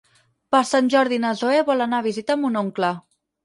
Per Sant Jordi na Zoè vol anar a visitar mon oncle.